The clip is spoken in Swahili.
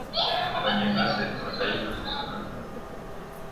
Kwenye ngazi ya kimataifa na Ufaransa pia